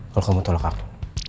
kalau kamu tolak aku